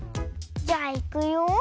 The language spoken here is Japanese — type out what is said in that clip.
じゃあいくよ。